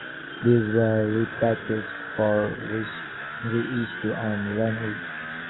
These were repackaged for reissue on Ranwood.